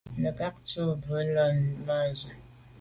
Nə̀ cà gə tɔ́k á bû nə̀ lɛ̌n yù môndzə̀.